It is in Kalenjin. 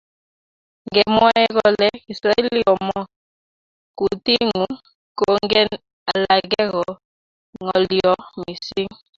Ngemwoe kole kiswahili komo kutinyu kongen alake ko ngolyo missing